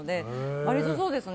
割とそうですね。